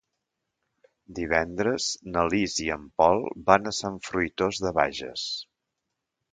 Divendres na Lis i en Pol van a Sant Fruitós de Bages.